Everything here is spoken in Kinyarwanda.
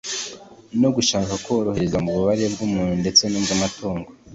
no gushaka korohereza ububabare bw'abantu ndetse n'ubw'amaturugo.